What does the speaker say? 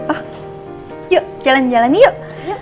oh yuk jalan jalan yuk